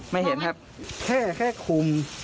ไม่เห็นครับแค่คุม